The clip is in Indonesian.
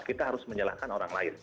kita harus menyalahkan orang lain